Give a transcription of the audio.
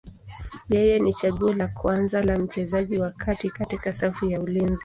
Yeye ni chaguo la kwanza la mchezaji wa kati katika safu ya ulinzi.